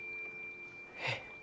えっ？